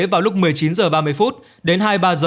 vào lúc một mươi chín h ba mươi đến hai mươi ba h